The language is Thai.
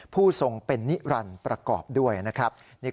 ผู้ทรงเป็นนิรันดิ์ประกอบด้วยนะครับ